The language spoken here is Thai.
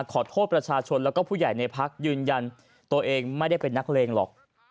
ขอโทษประชาชนแล้วก็ผู้ใหญ่ในพักยืนยันตัวเองไม่ได้เป็นนักเลงหรอก